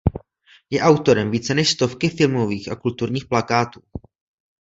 Je autorem více než stovky filmových a kulturní plakátů.